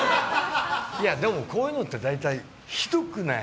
でも、こういうのって大体、ひどくない？